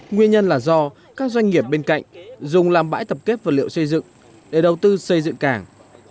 nguyên nhân là do các doanh nghiệp bên cạnh dùng làm bãi tập kết vật liệu xây dựng để đầu tư xây dựng cảng